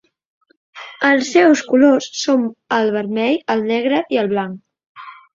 Els seus colors són el vermell, el negre i el blanc.